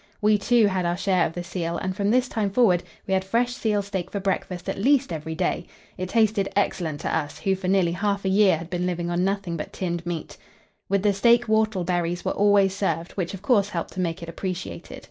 We, too, had our share of the seal, and from this time forward we had fresh seal steak for breakfast at least every day; it tasted excellent to us, who for nearly half a year had been living on nothing but tinned meat. With the steak whortleberries were always served, which of course helped to make it appreciated.